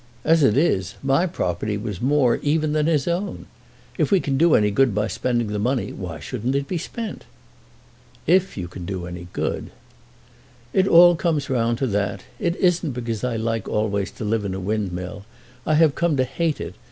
As it is, my property was more even than his own. If we can do any good by spending the money, why shouldn't it be spent?" "If you can do any good!" "It all comes round to that. It isn't because I like always to live in a windmill! I have come to hate it.